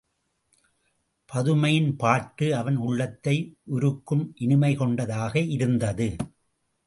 பதுமையின் பாட்டு அவன் உள்ளத்தை உருக்கும் இனிமை கொண்டதாக இருந்தது.